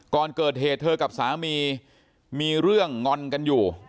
ก่อนเกิดเหตุเธอกับสามีมีเรื่องงอนกันอยู่